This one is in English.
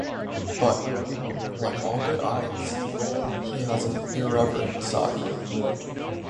But, like all good "eyes", he has an irreverent side.